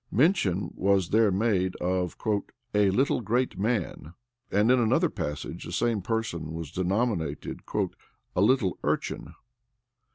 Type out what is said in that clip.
Mention was there made of "a little great man;" and in another passage, the same person was denominated "a little urchin."